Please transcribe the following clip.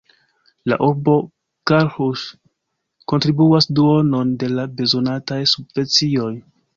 La urbo Karlsruhe kontribuas duonon de la bezonataj subvencioj.